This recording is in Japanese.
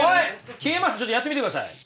消えますちょっとやってみてください。